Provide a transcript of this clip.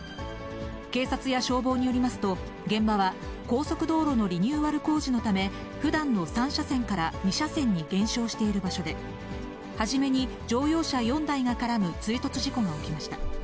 警察や消防によりますと、現場は高速道路のリニューアル工事のため、ふだんの３車線から２車線に減少している場所で、初めに乗用車４台が絡む追突事故が起きました。